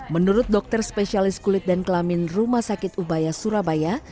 menurut dokter spesialis kulit dan kelamin rumah sakit ubaya surabaya